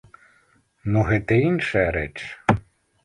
Ну, гэта іншая рэч.